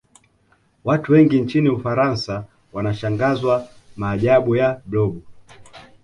Watu wengi nchini ufaransa wanashangazwa maajabu ya blob